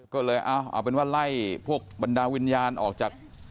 ก็เลยเอาเป็นว่าไล่พวกบรรดาวิญญาณออกจาก